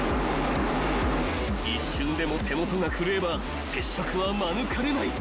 ［一瞬でも手元が狂えば接触は免れない］